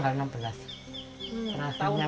mereka berada di dalam peternaknya